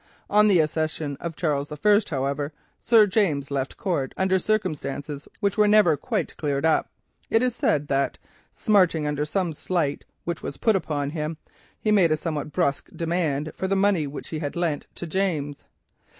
On the accession of Charles I., however, Sir James left court under circumstances which were never quite cleared up. It is said that smarting under some slight which was put upon him, he made a somewhat brusque demand for the money that he had lent to James.